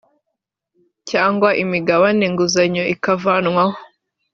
cyangwa imigabane nguzanyo ikavanwaho